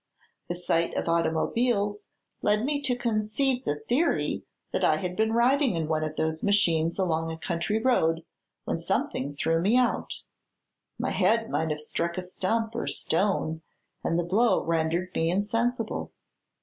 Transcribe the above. The sight of automobiles led me to conceive the theory that I had been riding in one of those machines along a country road when something threw me out. My head might have struck a stump or stone and the blow rendered me insensible.